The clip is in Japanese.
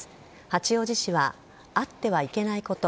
八王子市はあってはいけないこと。